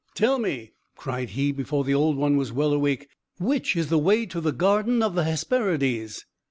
"Tell me," cried he, before the Old One was well awake, "which is the way to the garden of the Hesperides?"